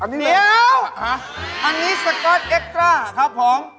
อันนี้สก๊อตเอ็กตราครับผม